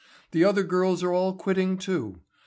The other girls are all quitting, too.